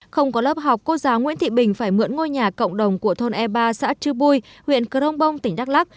không có lớp học cô giáo nguyễn thị bình phải mượn ngôi nhà cộng đồng của thôn e ba xã chư bui huyện crong bong tỉnh đắk lắc